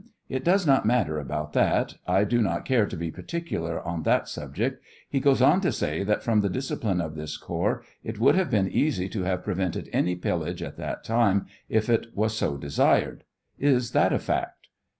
It does not matter about thatj I do not care to be particular on that subject ; he goes on to say that from the discipline of this corps it would have been easy to have prevented any pillage at that time if it was so desired ; is that a fact